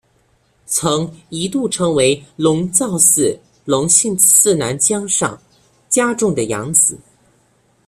曾一度成为龙造寺隆信次男江上家种的养子。